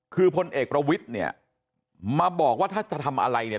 คือพลเอกประวิทย์เนี่ยมาบอกว่าถ้าจะทำอะไรเนี่ย